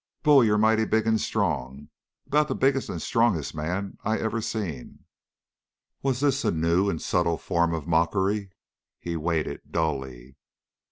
"Bull, you're mighty big and strong. About the biggest and strongest man I ever seen!" Was this a new and subtle form of mockery? He waited dully.